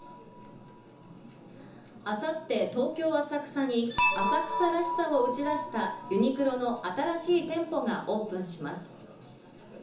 あさって東京・浅草に、浅草らしさを打ち出した、ユニクロの新しい店舗がオープンします。